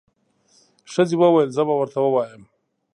ښځې وويل زه به ورته ووایم.